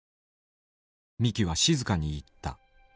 三木は静かに言った。